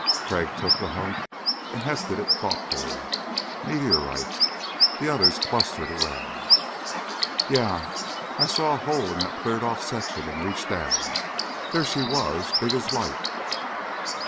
Crag took the hunk and hefted it thoughtfully. "Meteorite?" The others clustered around. "Yeah. I saw a hole in that cleared off section and reached down. There she was, big as life."